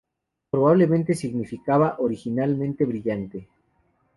Probablemente significaba originalmente "brillante".